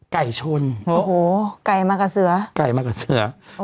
ไก่ชนโอ้โหไก่มะกะเสือไก่มะกะเสือโอ้โห